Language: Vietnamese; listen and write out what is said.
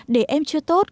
để em chưa tốt